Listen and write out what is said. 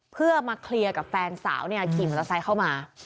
เพื่อมาเคลียร์กับแฟนสาวเนี่ยขี่มอเตอร์ไซค์เข้ามา